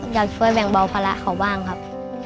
อยากช่วยแบ่งเบาภาระเขาบ้างครับ